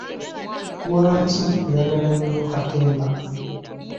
Lwaki oyagala nnyo katemba.